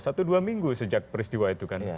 satu dua minggu sejak peristiwa itu kan